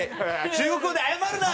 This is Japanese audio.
中国語で謝るな！